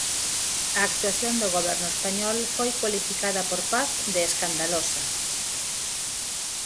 A actuación do Goberno español foi cualificada por Paz de "escandalosa".